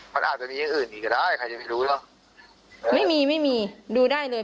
มันอาจจะมีอย่างอื่นอีกก็ได้ใครจะไม่รู้เนอะไม่มีไม่มีดูได้เลย